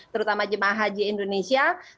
terutama jemaah haji indonesia